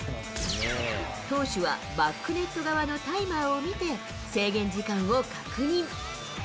投手はバックネット側のタイマーを見て、制限時間を確認。